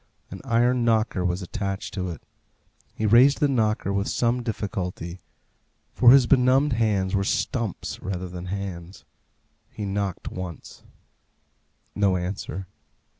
An iron knocker was attached to it. He raised the knocker with some difficulty, for his benumbed hands were stumps rather than hands. He knocked once. No answer.